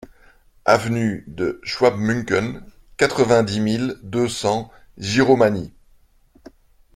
Avenue de Schwabmünchen, quatre-vingt-dix mille deux cents Giromagny